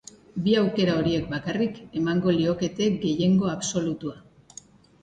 Bi aukera horiek bakarrik emango liokete gehiengo absolutua.